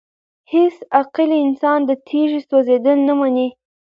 هيڅ عاقل انسان د تيږي سوزيدل نه مني!!